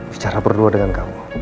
bicara berdua dengan kamu